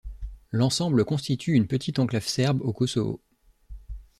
L'ensemble constitue une petite enclave serbe au Kosovo.